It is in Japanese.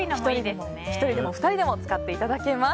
１人でも２人でも使っていただけます。